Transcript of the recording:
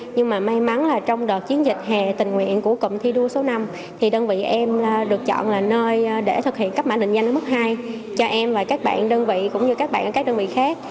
nhưng mà may mắn là trong đợt chiến dịch hè tình nguyện của cụm thi đua số năm thì đơn vị em được chọn là nơi để thực hiện cấp mã định danh ở mức hai cho em và các bạn đơn vị cũng như các bạn ở các đơn vị khác